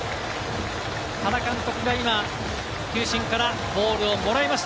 原監督が今、球審からボールをもらいまし